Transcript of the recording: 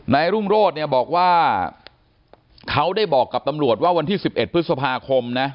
รุ่งโรธเนี่ยบอกว่าเขาได้บอกกับตำรวจว่าวันที่๑๑พฤษภาคมนะ